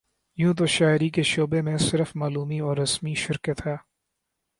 یوں تو شاعری کے شعبے میں صرف معمولی اور رسمی شرکت ہے